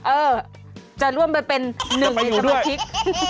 เออจะร่วมไปเป็นหนึ่งในรูพริก